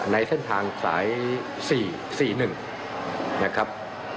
ในเส้นทางสาย๔๑นะครับ